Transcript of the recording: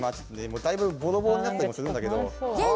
だいぶボロボロになってたりもするんだけど。